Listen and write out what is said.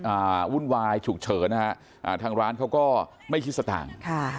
อ่าวุ่นวายฉุกเฉินทางร้านเขาก็ไม่คิดสตางค์